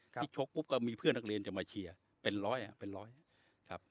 ที่ชกปุ๊บก็มีเพื่อนนักเรียนจะมาเชียร์เป็นร้อยเป็นร้อยครับ